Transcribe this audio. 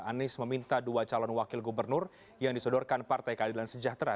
anies meminta dua calon wakil gubernur yang disodorkan partai keadilan sejahtera